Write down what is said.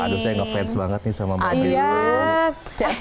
aduh saya ngefans banget nih sama mbak feni rose